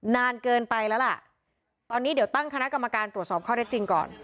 นานเกินไปแล้วล่ะตอนนี้เดี๋ยวตั้งคณะกรรมการตรวจสอบข้อได้จริงก่อน